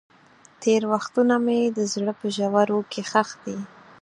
تېر وختونه مې د زړه په ژورو کې ښخ دي.